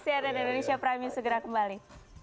cnn indonesia prime news segera kembali